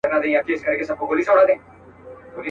ساقي نن مه کوه د خُم د تشیدو خبري.